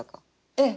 ええ。